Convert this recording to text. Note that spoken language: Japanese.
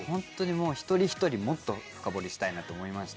一人一人もっと深掘りしたいなと思いました。